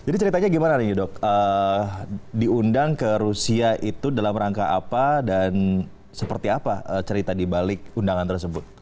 diundang ke rusia itu dalam rangka apa dan seperti apa cerita di balik undangan tersebut